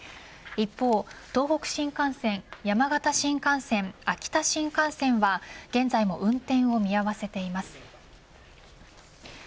一方、東北新幹線山形新幹線秋田新幹線は現在も運転を見合わせています。